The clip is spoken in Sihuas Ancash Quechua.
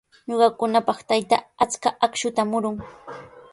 Ñuqakunapaq taytaa achka akshuta murun.